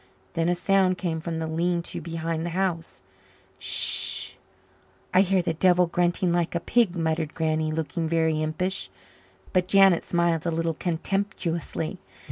Then a sound came from the lean to behind the house. "S s h. I hear the devil grunting like a pig," muttered Granny, looking very impish. But Janet smiled a little contemptuously.